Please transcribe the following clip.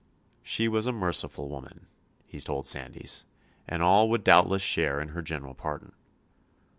She was a merciful woman, he told Sandys, and all would doubtless share in her general pardon.